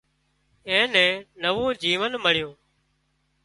اين نين نوون جيونَ مۯيُون